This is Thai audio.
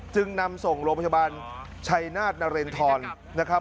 จึงนำส่งโรงพยาบาลชัยนาธนเรนทรนะครับ